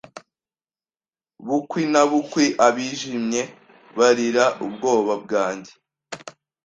Bukwi na bukwi abijimye barira ubwoba bwanjye